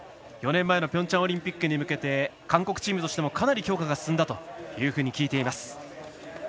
４年前のピョンチャンオリンピックに向け韓国チームとしてもかなり強化が進んだと聞いています。